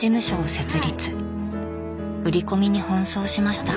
売り込みに奔走しました。